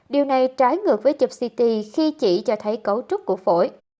điều này trái ngược với chụp ct khi chỉ cho thấy cấu trúc của phổi